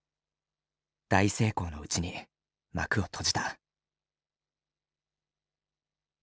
大成功のうちに幕を閉じた。